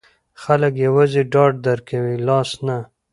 خلګ یوازې ډاډ درکوي، لاس نه.